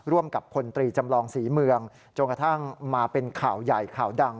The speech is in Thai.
ร่วมกับพลตรีจำลองศรีเมืองจนกระทั่งมาเป็นข่าวใหญ่ข่าวดัง